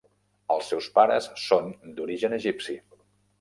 Els seus pares són d'origen egipci.